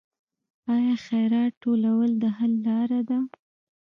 آیا خیرات ټولول د حل لاره ده؟